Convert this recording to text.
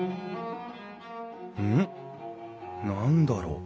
何だろう？